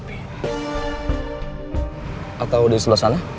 tapi baiknya kita bicarakan di tempat yang lebih sepi